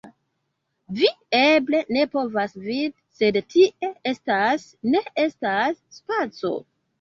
Vi eble ne povas vidi, sed tie estas… Ne estas spaco.